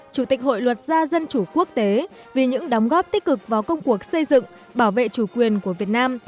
chủ tịch hội luật gia dân chủ quốc tế vì những đóng góp tích cực vào công cuộc xây dựng bảo vệ chủ quyền của việt nam